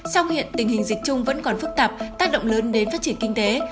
sau hiện tình hình dịch chung vẫn còn phức tạp tác động lớn đến phát triển kinh tế